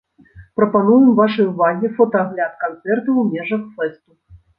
Прапануем вашай увазе фотаагляд канцэртаў у межах фэсту.